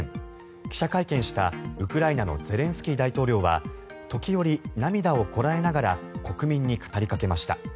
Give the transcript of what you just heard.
記者会見した、ウクライナのゼレンスキー大統領は時折、涙をこらえながら国民に語りかけました。